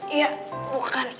iya bukan ya